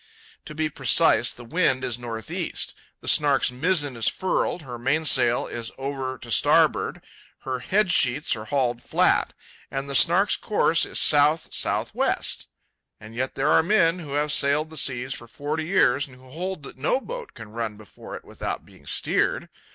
To be precise, the wind is north east; the Snark's mizzen is furled, her mainsail is over to starboard, her head sheets are hauled flat: and the Snark's course is south south west. And yet there are men who have sailed the seas for forty years and who hold that no boat can run before it without being steered.